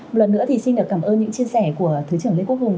một lần nữa thì xin được cảm ơn những chia sẻ của thứ trưởng lê quốc hùng